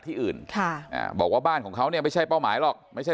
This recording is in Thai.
อื่นค่ะอ่าบอกว่าบ้านของเขาเนี่ยไม่ใช่เป้าหมายหรอกไม่ใช่